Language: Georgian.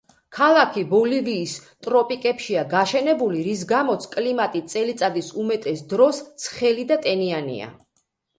ქალაქი ბოლივიის ტროპიკებშია გაშენებული, რის გამოც კლიმატი წელიწადის უმეტეს დროს ცხელი და ტენიანია.